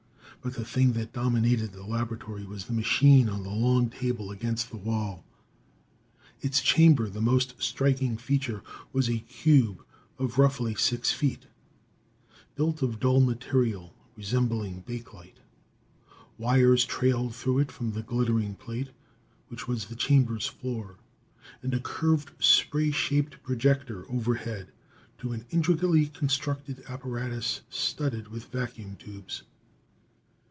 But the thing that dominated the laboratory was the machine on the long table against the wall. Its chamber, the most striking feature, was a cube of roughly six feet, built of dull material resembling bakelite. Wires trailed through it from the glittering plate, which was the chamber's floor, and a curved spray shaped projector overhead, to an intricately constructed apparatus studded with vacuum tubes.